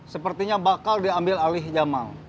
sepertinya bakal diambil alih yamal